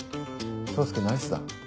草介ナイスだ。